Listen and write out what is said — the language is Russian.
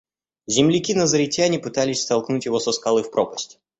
Земляки-назаретяне пытались столкнуть его со скалы в пропасть.